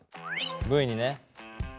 Ｖにね。